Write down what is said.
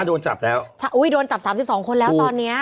โดนจับแล้วใช่อุ๊ยโดนจับ๓๒คนแล้วตอนนี้